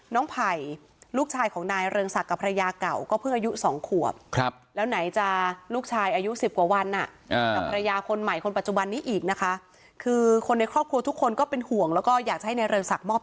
น้องไผ่ลูกชายกับประหลี้ยาเก่าก็เพิ่มอายุ๒ขวบ